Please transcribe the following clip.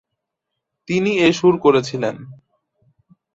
তিনি এর সুর করেছিলেন।